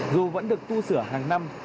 dù vẫn được tu sửa hàng năm